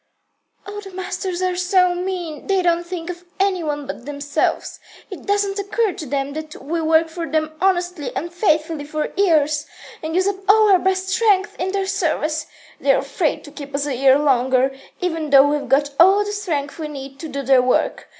"All the masters are so mean. They don't think of any one but themselves. It doesn't occur to them that we work for them honestly and faithfully for years, and use up our best strength in their service. They're afraid to keep us a year longer, even though we've got all the strength we need to do their work.